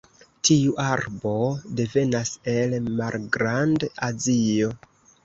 Tiu arbo devenas el Malgrand-Azio.